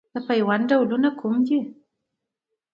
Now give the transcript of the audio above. د پیوند ډولونه کوم دي؟